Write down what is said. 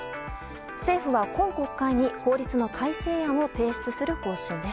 政府は今国会に法律の改正案を提出する方針です。